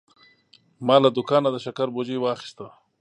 ما له دوکانه د شکر بوجي واخیسته.